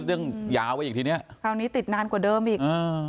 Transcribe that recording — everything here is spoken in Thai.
พรุ่งนี้ติดนานกว่าเดิมอีก